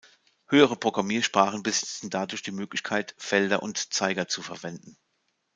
Höhere Programmiersprachen besitzen dadurch die Möglichkeit, Felder und Zeiger zu verwenden.